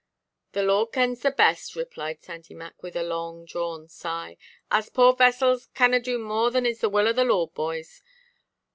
"The Lord kens the best," replied Sandy Mac, with a long–drawn sigh, "us poor vessels canna do more than is the will of the Lord, boys.